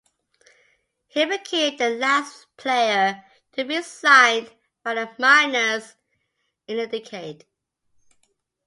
He became the last player to be signed by the Miners in the decade.